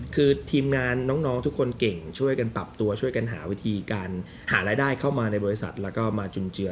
คือทีมงานน้องทุกคนเก่งช่วยกันปรับตัวช่วยกันหาวิธีการหารายได้เข้ามาในบริษัทแล้วก็มาจุนเจือ